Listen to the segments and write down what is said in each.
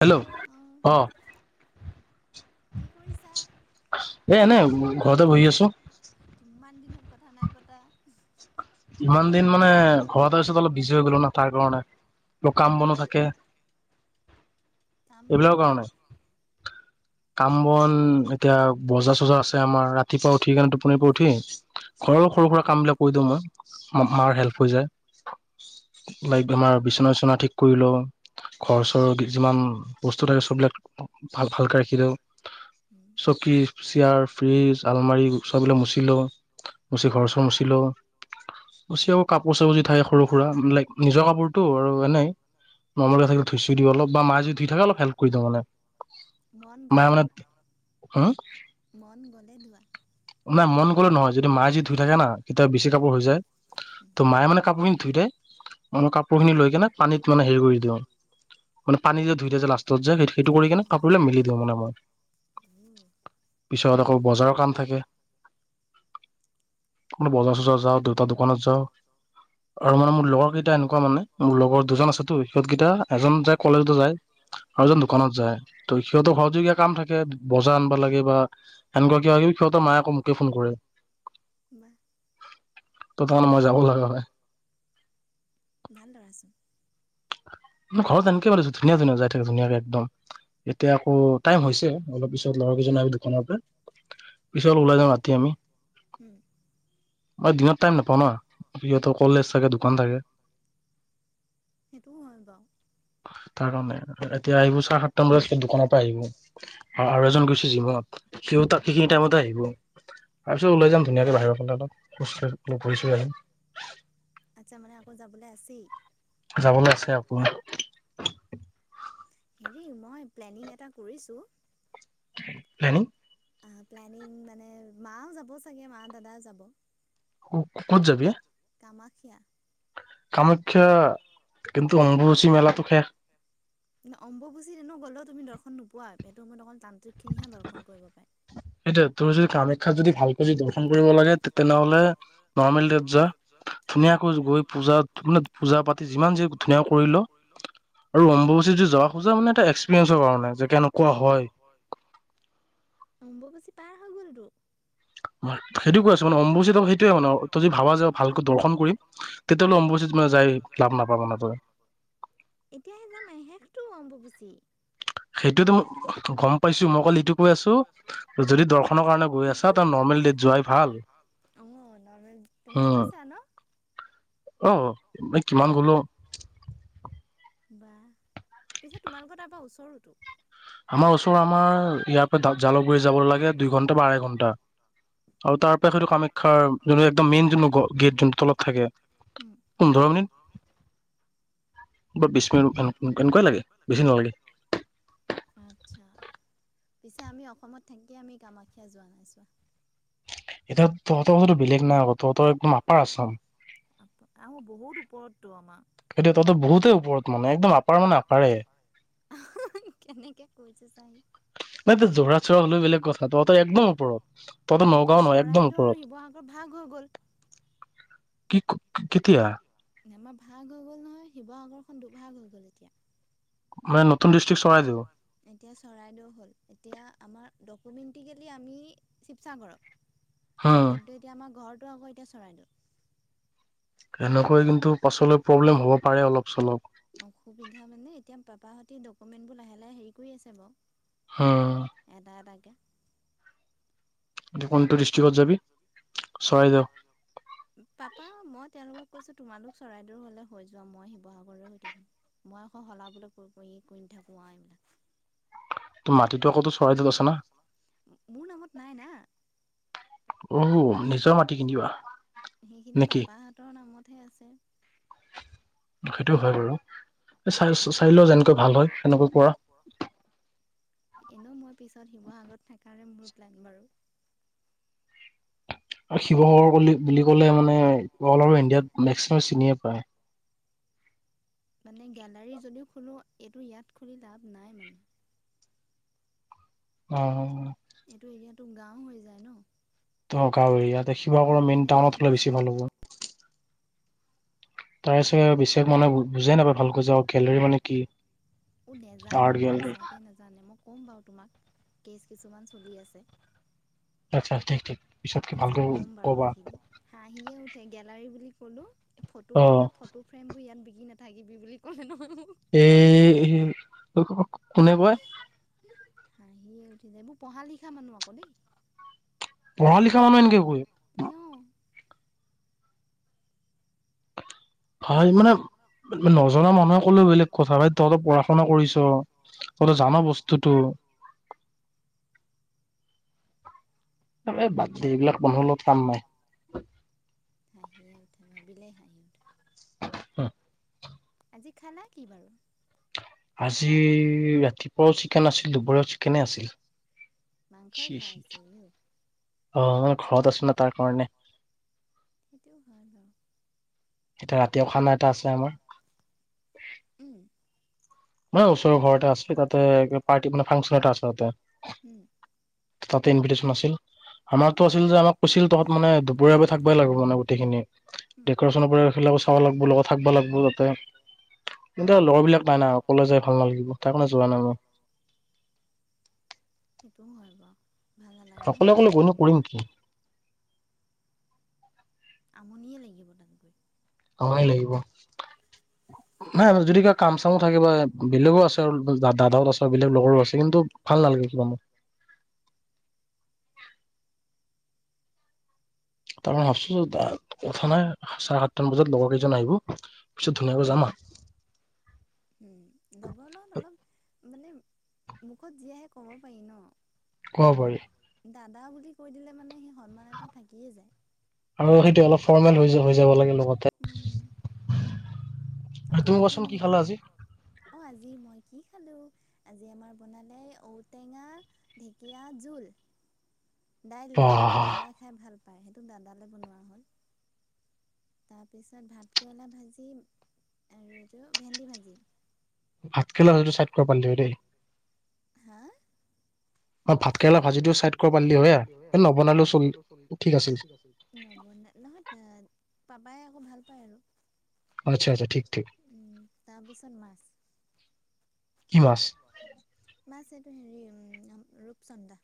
Hello অঁ। এ এনে ঘৰতে বহি আছো। দিনত কথা নাই পতা ইমান দিন মানে ঘৰতে আছিলো, অলপ বিজি হৈ গলো না তাৰ কাৰণে। [unintelligible] কাম বনো থাকে। কাম বন যেনে? কাম বন, এতিয়া বজাৰ চজাৰ আছে আমাৰ, ৰাতিপুৱা উঠি কেনে টোপনিৰ পৰা উঠি ঘৰৰো সৰু সুৰা কাম বিলাক কৰি দিওঁ মই, মাৰ হেল্প হৈ যায়। লাইক আমাৰ বিচনা বিচনা ঠিক কৰি লওঁ, ঘৰ চৰ অ' যিমান বস্তু থাকে চবিলাক ভাল ভালকৈ ৰাখি দিওঁ। [inaudible] চকী, চিয়াৰ, ফ্ৰিজ, আলমাৰি, চববিলাক মুচি লোও, মুচি ঘৰ চৰ মুচি [unintelligible] কাপোৰ চাপোৰ যি থায় সৰু সুৰা, লাইক নিজৰ কাপোৰটো আৰু এনোই [unintelligible] থাকে ধুই চুই দিওঁ অলপ, বা মা যদি ধুই থাকে অলপ হেল্প কৰি দিওঁ মানে। মন গলে মন গলে নাই মন গলে নহয়, যদি মা এ যদি ধুই থাকে না কেতিয়াবা বেছি কাপোৰ হৈ যায়। ত মায়ে মানে কাপোৰখিনি ধুই দিয়ে, মই কাপোৰখিনি লৈ পানীত মানে হেৰি কৰি দিওঁ। মানে পানী যে ধুই দি যে লাষ্টত যে সেইটো কৰি কিনে কাপোৰবিলাক মেলি দিওঁ মানে মই। পিছত আকৌ বজাৰৰ কাম থাকে। আ বজাৰ চজাৰ যাওঁ দুটা দোকানত যাওঁ। আৰু মানে মোৰ লগৰ কেইটা এনেকুৱা মানে, মোৰ লগৰ দুজন আছেতো সিহঁতকেইটা এজন যাই কলেজো যায় আৰু এ যেজন দোকানত যায় ত সিহঁতৰ ঘৰত যদি কাম থাকে বজাৰ আনবা লাগে বা এনেকুৱা কিব সিহঁতৰ মায়ে আকৌ মোকে ফোন কৰে। [inaudible] ত তাৰমানে মই যাব লগা হয়। ম ঘৰত এনেকে ভালৈছো ধুনীয়া ধুনীয়া যাই থাকো ধুনীয়াকে একদম এতিয়া আকৌ টাইম হৈছে, অলপ পিছত লৰা কেইজন আহ দোকানৰ পৰা পিছত ওলাই যাাম ৰাতি আমি। হম। মই দিনত টাইম নাপাও ন, সিহঁতৰ কলেজ থাকে, দোকান থাকে। সেইটোও হয় বাৰু। তাৰ কাৰণে, এতিয়া আহিব চাৰে সাতটা মান বজাত আ দোকানৰ পৰা আহিব আৰু এজন গৈছে জিমত। সি অ' ত সেইখিনি টাইমতে আহিব। তাৰপিছত ওলাই যাম ধুনীয়াকে বাহিৰৰফালে অলপ, খোজ কাঢ়িও আহিম। আচ্ছা মানে আকৌ যাবলৈ আছেই? যাবলৈ আছে আকৌ। হেৰি মই প্লেনিং এটা কৰিছো। [unintelligible] অ' প্লেনিং মানে মাও যাব চাগে, মা, দাদাও যাব। ক'ত যাবি? [unintelligible] কামাখ্যা কিন্তু অম্বুবাচী মেলাটো শেষ। অম্বুবাচী এনে গলেও তুমি দৰ্শন নোপোৱা সেইটো অকল তান্ত্ৰিক খিনিহে দৰ্শন কৰিব পায়। তোৰ যদি কামাখ্যাত যদি ভালকৈ যদি দৰ্শন কৰিব লাগে, তেনেহলে নৰ্মেল ডেত যোৱা। ধুনীয়াকৈ গৈ পূজা পূজা পাতি যিমান যি ধুনীয়াকে কৰি ল। আৰু অম্বুবাচী যদি যাব খোজা মানে এটা এক্সপিৰিয়েন্ঞ্চৰ কাৰণে, যে কেনেকুৱা হয়। অম্বুবাচী পাৰ হৈ গ'লতটো। মই সেইটো কৈছো মানে অম্বুবাচীত সেইটয়ে মানে তই যদি ভাবা যা ভালকৈ দৰ্শন কৰিম, তেতিয়াহ'লে অম্বুবাচীত মানে যায় লাভ নাপাবা না ত‌‌‌ই। এতিয়াহে যামে শেষটো অম্বুবাচি সেইটোয়তো গম পাইছো মই অ কল ইটো কৈ আছো যদি দৰ্শনৰ কাৰণে গৈ আছা তাৰ নৰ্মেল দে যোৱাই ভা অ নৰ্মেল তুমি গৈছা ন আহ ম কিমান গলো বা পিছে তোমালোকৰ তাপা ওচৰোটো আমাৰ ওচৰৰ আমাৰ ইয়াৰ পৰা জালুকবাৰি যাব লাগে দুই ঘণ্টা বা আঢ়ৈ ঘণ্টা আৰু তাৰ পৰা হয়টো কামাখ্যাৰ যোনটো একদম মেইন যোন গেট যোনটো তলত থাকে পোন্ধৰ মিনিট বিশ মিনিট এনেকুৱাই লাগে বেছি নালাগে আচ্ছা পিছে আমি অসমত থাকিয়ে আমি কামাখ্যা যোৱা নাইছোঁ এতিয়া তহতৰথাতো বেলেগ নাই আকৌ তহঁতৰ একদম আপাৰ আছাম আহ বহুত ওপৰত আমাক কি তহতে বহুতেইওপৰত মানে একদম আপাৰ মানে আপাৰে কেনে কিয় কৈছো চাহ [unintelligible] যোৰহাটছৰ হ'লে বেলেগ কথা, তহঁতে একদম ওপৰত। তহঁতে নগাঁও নহয়, একদম ওপৰত। হৈ গ'ল। কি ক কেতিয়া? আমাৰ ভাগ হৈ গ'ল নহয়, শিৱসাগৰখন দুভাগ হৈ গ'ল এতিয়া। মানে নতুন দিচ [unintelligible] এতিয়া চৰাইদেউ হ'ল, এতিয়া আমাৰ দ ওমেন্টিকেলি আমি শিৱসাগৰৰ, কিন্তু এতিয়া আমাৰ ঘৰ ঘৰটো আকৌ এতিয়া চৰাইদেউত। এনেকৈ কিন্তু পাছলৈ প্ৰব্লেম হ'ব পাৰে অলপ চলপ। অসুবিধা মানে এতিয়া পাপাহঁতে ডকুমেণ্টবোৰ লাহে-লাহে হেৰি কৰি আছে বাৰু। এটা-এটাকে। এতিয়া কোনটো ডিষ্ট্ৰিক্টত যাবি, চৰাইদেউ? উম। পাপা মই তেওঁলোকক কৈছোঁ, তোমালোক চৰাইদেউ হ'লে হৈ যোৱা, মই শিৱসাগৰৰ হৈ থাকিম। মই আকৌ [unintelligible] কৰি-কৰি নেথাকো আৰু এইবিলাক। তোৰ মাটিটো আকৌ তোৰ চৰাইদেউত আছে না। অ' শুন। নিজৰ মাটি? সেইখিনি পাপাহঁতৰ নামতহে আছে। সেইটো হয় বাৰু, এতিয়া চাই লছ চাই ল' যেনেকৈ ভাল হয় সেনেকে কৰা। এনেও মই পিছত শিৱসাগৰত থাকাৰে মোৰ প্লেন বাৰু। এই শিৱসাগৰৰ বুলি ক'লে মানে অল অ'ভাৰ ইণ্ডিয়াত মেক্সিমাম চিনিয়ে পায়। মানে গেলাৰী যদিও খোলোঁ, এইটো ইয়াত খুলি লাভ নাই মানে। অ'-অ' তোৰ এৰিয়াতো গাঁও হৈ যায় ন'। অ, গাঁও এৰিয়া। শিৱসাগৰৰ মেইন টাউনত হ'লে বেছি ভাল হ'ব। তাৰে চাগে বেছিভাগ মানুহে বুজিয়েই নাপায় ভালকৈ যে গেলেৰি মানে কি! ও, নেজানে ও সঁচাকে নেজানে মই ক'ম বাৰু তোমাক, কেছ কিছুমান চলি আছে। সব ঠিক ঠিক। পিছত কম বাৰু সেইখিনি, হাঁহিয়ে উঠে গেলাৰী বুলি ক'লো। ফটো খোলা ফটো ফ্ৰেমবোৰ ইয়াত বিকি নাথাকিবি বুলি ক'লে ন। এহ হে হে কোনে বা? হাঁহিয়ে উঠি যায়, এইবোৰ পঢ়া-লিখা মানুহ আকৌ দেই। পঢ়া-লিখা মানুহ এনেকে কয়। [inaudible] ভাই মানে, নজনা মানুহে ক'লেও বেলেগ কথা, ভাই তহঁতে পঢ়া-শুনা কৰিছ তহঁতে জান বস্তুটো [inaudible] আৰে বাদ দে, এইবিলাক মানুহৰ লগত কাম নাই। [inaudible] [inaudible] হম আজি খানা কি? আজি ৰাতিপুৱাও চিকেন আছিল, দুপৰীয়াও চিকেনে আছিল। মাংসই খাই আছা ইয়ো? অ, মই ঘৰত আছো ন তাৰ কাৰণে। এতিয়া ৰাতিও খানা এটা আছে আমাৰ। মই ওচৰৰ ঘৰতে আছিলোঁ তাতে পাৰ্টি মানে ফাংচন এটা আছে এতিয়া। উম। তাতে ইনভিটেচন আছিল। আমাটো আছিল যে আমাক কৈছিল তহঁত মানে [unintelligible] থাকবাই লাগবো না গোটেইখিনি, ডেক'ৰেচনৰ পৰা [unintelligible] চাবা লাগবো লগত থাকবো লাগবো তাতে কিন্তু লগৰবিলাক [unintelligible] কলে যাই ভাল নালাগিব তাৰ কাৰণে যোৱা নাই মই অকলে অকলে গৈ নো কৰিম কি? আমনিয়ে লাগিব তাতকে সয় লাগিব। নাই যদি কিবা কাম চামো থাকে বা বেলেগোও আছে আৰু দাদাও আছে বেলেগ লগৰো আছে কিন্তু ভাল নালাগে [unintelligible] [inaudible] তাৰে ভাবছো যে কথা নাই চাৰে সাতটান বজাত লগৰ কেইজন আহিব পিছত ধুনীয়াকৈ যামা [inaudible] উম লগৰ লগত অলপ মানে মুখত জীয়ে আহে কব পাৰি ন কব পাৰি দাদা বুলি কৈ দিলে মানে সেই সন্মান এটা থাকিয়ে যায়। আৰু সেইটো অলপ ফৰৰ্মেল হৈ হৈ যাব লাগে লগতে অ প্ৰতিটো মুহুৰ্তত, অ আজি মই কি খালো আজি আমাৰ বনালে ঔটেঙা ঢেকীয়া জোল দাইল দি, দাদাই খাই ভাল পায় সেইটো দাদালৈ বনোৱা হ'ল। তাৰপিছত ভাতকেৰেলা ভাজি আৰু এইটো ভেন্দি ভাজি। ভাতকেৰেলা ভাজিটো চাইট কৰিব পাৰলি হয় দেই। হা [unintelligible] নহয় পাপাই আকৌ ভাল পায় আৰু আচ্ছা আচ্ছা ঠিক ঠিক। কি মাছ? মাছ এইটো হেৰি উম ৰূপচন্দা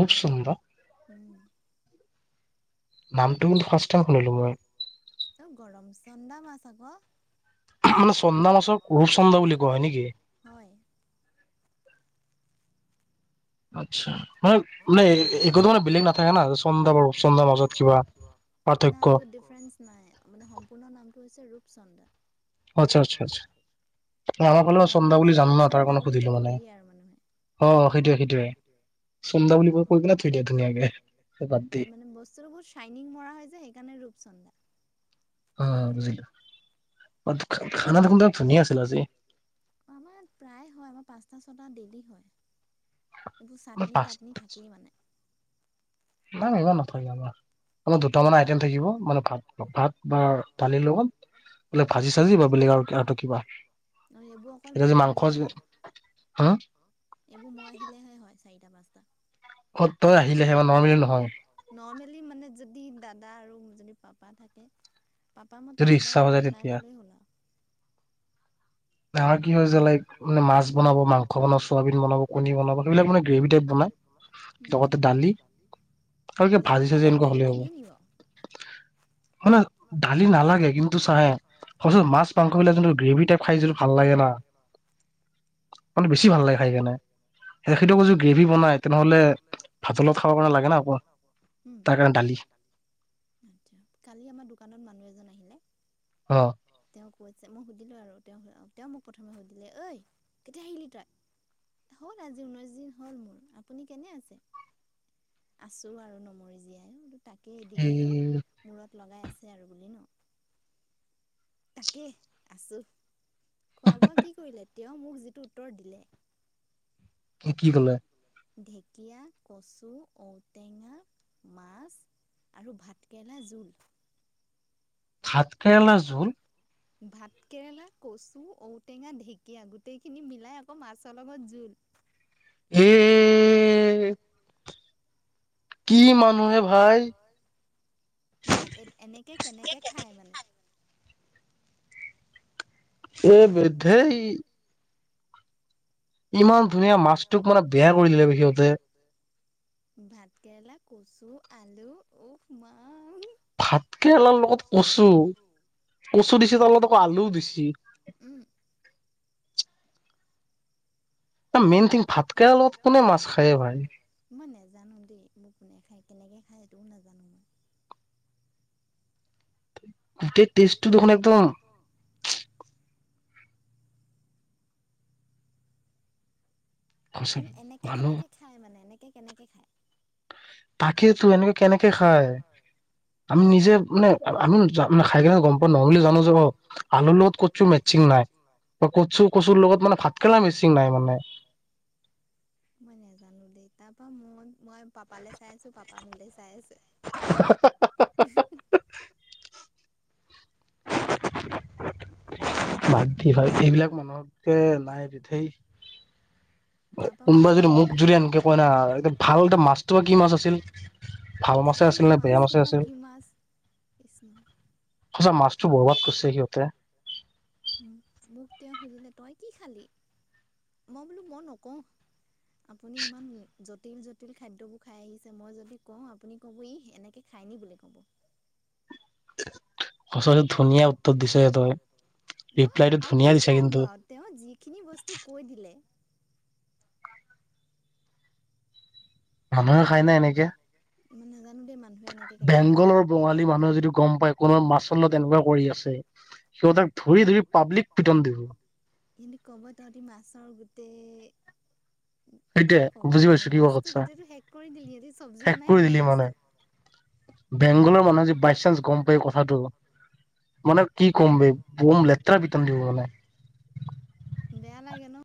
ৰূপচন্দা নামটো কিন্তু ফাষ্ট টাইম শুনিলো মই। চন্দা মাছ আক্ মানে চন্দা মাছক ৰূপ চন্দা বুলি কয়, হয় নেকি? আত্ছা মানে মানে একোতো মানে বেলেগ নাথাকে ন চন্দা বৌ চন্দা মাজত কিবা পাৰ্থক্য? ডিফাৰেন্স নাই মানে সম্পূৰ্ণ নামটো হৈছে ৰূপচন্দা। আচ্ছা আচ্ছা আচ্ছা। নৰ্মেলি মানে চন্দা বুলি কৈ থৈ দিয়ে আৰু মানুহে অ সেইটোৱে সেইটোৱে চন্দা বুলি ক মানে বস্তুটো বহুত চাইনিং মৰা হৈ যে সেইকাৰণে ৰূপচন্দা। অ বুজিলো। [unintelligible] আমাৰ প্ৰায় হয় আমাৰ পাঁচটা ছটা ডেইলি হয়। এইবোৰ চাটনি টাটনি থাকেই মানে। নাই ইমান নাথাকে আমাৰ আমাৰ দুটামান আইটেম থাকিব মানে ভাত ভাত বা দালিৰ লগত বোলে ভাজি চাজি বা বেলেগ আৰুঁ তৰ কিবা এতিয়া যে মাংস এইবোৰ মই আহিলেহে হয় চাৰিটা পাঁচটা। অ তই আহিলেহে হয় নৰ্মেলি নহয়। মানে যদি দাদা আৰু যদি পাপা থাকে পাপা মতে কিবা এ এটা বনাই থলেই হ'ল আও। আমাৰ কি হয় যে লাইক মান মাছ বনাব মাংস বনাব চোৱাবিন বনাব কণী বনাব সেইবিলাক মানে গ্ৰেভি টাইপ বনাই [unintelligible] আৰু যে ভাজি চাজি এনেকুৱা হ'লে হ'ব। মানে দালি নালাগে কিন্তু চাহ হ, মাছ মাংস বিলাক যোনটো গ্ৰেভি টাইপ খাই যিটো ভাল লাগে ন মানে বেছি ভাল লাগে খাই কেনে। সেইটো কৈছোঁ গ্ৰেভি বনাই তেনেহলে ভাতলগত খাব কাৰণে লাগে ন আকৌ তাৰ কাৰণে দালি কালি আমাৰ দোকানত মানুহ এজন আহিলে তেওঁ কৈছে মই সুধিলো আৰু তেওঁ তেওঁ মোক প্ৰথমে সুধিলে ঐ কেতিয়া আহিলি হ'ল আজি ঊনৈশ দিন হ'ল মোৰ, আপুনি কেনে আছে? আছো আৰু নমৰি জীয়াই তাকেই ডিঙিটো মূৰত লগাই আছে আৰু বুলি ন? তাকে আছো, খোৱা বোৱা কি কৰিলে? তেওঁ মোক যিটো উত্তৰ দিলে কি কলে? ঢেকীয়া, কচু, ঔটেঙা, মাছ আৰু ভাতকেৰেলা জোল। ভাতকেৰেলা জোল? ভাতকেৰেলা, কচু, ঔটেঙা, ঢেঁকীয়া গোটেইখিনি মিলাই আকৌ মাছৰ লগত জোল। [inaudible] [unintelligible] কি মানুহ হে ভাই! মানে এনেকে কেনেকে খায় মানে? [unintelligible] ইমান ধুনীয়া মাছটোক মানে বেয়া কৰি দিলে সিহঁতে। ভাতকেৰেলা, কচু, আলু উফ মা ভাতকেৰেলা লগত কচু কচু দিছে তাৰ লগত আকৌ আলুও দিছে। উম। মেইন থিং ভাতকেৰেলা লগত কোনে মাছ খায়ে ভাই কেনেকৈ খায় সেইটোও নাজানোঁ মই গোটেই ষ্টেটটো দেখোন একদম মানে এনেকে কেনেকে খায় মানে এনেকে কেনেকে খায়। তাকেতো এনেকে কেনেকে খাই আমি নিজে মানে আমি খাই কিনে গ'ম পোৱা নহয় বুলি জানোঁ যে অ' আলু লগত কচু মেক্সিমাম নাই বা কচু কচুৰ লগত মানে ভাতকেৰেলা মিচিং নাই মানে মই নাজানোঁ দেই তাৰ পৰা মই মই পাপালৈ চাই আছোঁ পাপা মোলে চাই আছে। ভাত দি ভাগ এইবিলাক মানুহতকে নাই পিঠেই কোনোবা যদি মোক যদি এনকে কয় না এ ভাল এটা মাছটো কি মাছ আছিল। তাকে মাছটো বা কি মাছ কৃষ্ণ সচা মাছটো বৰবাত কৈছে সিহতে। মোক তেও সুজিলে তই কি খালি মই বোলো মই নকও। আপুনি ইমান জটিল - জটিল খাদ্যবোৰ খাই আহিছে মই যদি কও আপুনি কব ই এনেকে খাই নি বুলি ক'ব। [inaudible] খচাকে ধুনীয়া উত্তৰ দিছা এ তই। ন আৰু কি ক'ম বাৰু তেও যিখিনি বস্তু কৈ দিলে। মানুহে খাই নে এনেকে। নেজানো। বেংগলৰ বঙালী মানুহে যদি গম পায় কোনোবা মাচল তেনেকুৱা কৰি আছে। সিহতক তাক ধৰি - ধৰি পাব্লিক পিটন দিব। এ কব ততি মাছৰ গোটেই। কি কব মানে মাছতো গোটটো শেষ কৰি দিলি সিহতি চব্জি। জি বনাই দিলি মাছটো। বেংগলৰ মানুহে যেদি বাই চান্স গম পায় কথাটো মানে কি কম বে বম ল তেৰা পিতন দিব মানে। বেয়া লাগে ন।